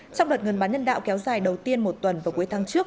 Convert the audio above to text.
trong đợt ngân bán nhân đạo kéo dài đầu tiên một tuần vào cuối tháng trước